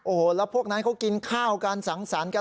โอ้โหแล้วพวกนั้นเขากินข้าวกันสังสรรค์กัน